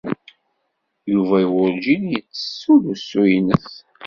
Yuba werjin yettessu-d usu-nnes.